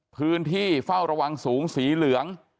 พื้นที่เฝ้าระวังสูงสีเหลือง